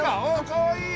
かわいい。